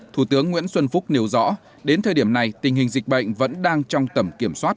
thủ tướng nguyễn xuân phúc nêu rõ đến thời điểm này tình hình dịch bệnh vẫn đang trong tầm kiểm soát